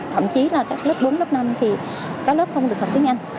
thậm chí là các lớp bốn lớp năm thì các lớp không được học tiếng anh